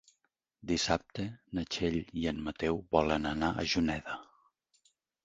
Dissabte na Txell i en Mateu volen anar a Juneda.